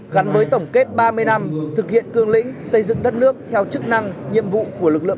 gắn với tổng kết ba mươi năm thực hiện cương lĩnh xây dựng đất nước theo chức năng nhiệm vụ của lực lượng